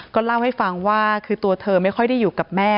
เล่าให้ฟังว่าคือตัวเธอไม่ค่อยได้อยู่กับแม่